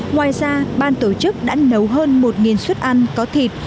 ngoài ra ban tổ chức đã nấu hơn một suất ăn có thịt